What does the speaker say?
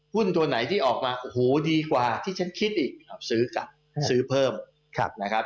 หุ้นตัวไหนที่ออกมาโอ้โหดีกว่าที่ฉันคิดอีกซื้อกลับซื้อเพิ่มนะครับ